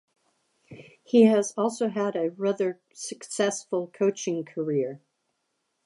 He has also had a rather successful coaching career.